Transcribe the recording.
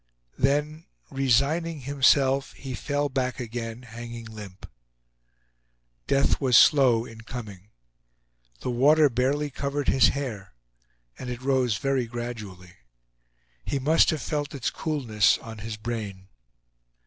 Then, resigning himself, he fell back again, hanging limp. Death was slow in coming. The water barely covered his hair, and it rose very gradually. He must have felt its coolness on his brain.